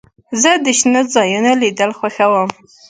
زه د شنو ځایونو لیدل خوښوم.